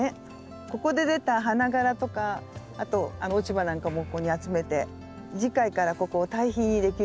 ここで出た花がらとかあと落ち葉なんかもここに集めて次回からここを堆肥にできるわけですもんね。